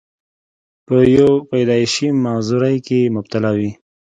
پۀ يو پېدائشي معذورۍ کښې مبتلا وي،